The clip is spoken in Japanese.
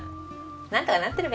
なんとかなってるべ。